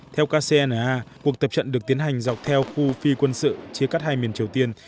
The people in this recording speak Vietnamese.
theo kcna cuộc tập trận được tiến hành dọc theo khu phi quân sự chia cắt hai miền triều tiên